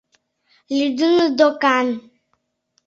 Лӱдыныт докан.